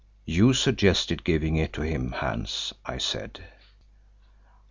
"You suggested giving it to him, Hans," I said.